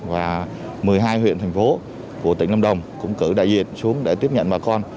và một mươi hai huyện thành phố của tỉnh lâm đồng cũng cử đại diện xuống để tiếp nhận bà con